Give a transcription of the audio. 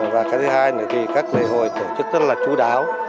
và cái thứ hai là các lễ hội tổ chức rất là chú đáo